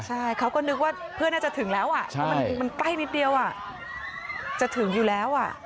ใช่เขาก็นึกว่าเพื่อนน่าจะถึงแล้วเพราะมันใกล้นิดเดียวจะถึงอยู่แล้ว